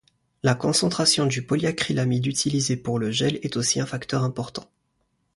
La concentration du polyacrylamide utilisé pour le gel est aussi un facteur important.